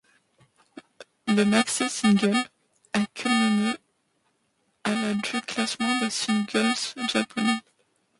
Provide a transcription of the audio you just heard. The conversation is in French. Le maxi-single a culminé à la du classement des singles japonais.